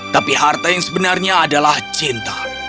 tapi harta yang sebenarnya adalah cinta